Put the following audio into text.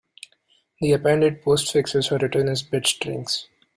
The appended postfixes are written as bit strings.